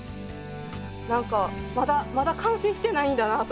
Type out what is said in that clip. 何かまだまだ完成してないんだなと思って。